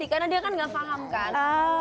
karena dia kan nggak paham kan